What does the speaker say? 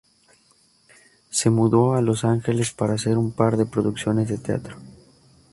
Se mudó a Los Ángeles para hacer un par de producciones de teatro.